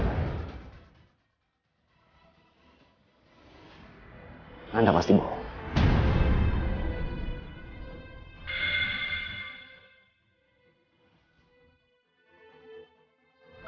saya adalah otak dimulai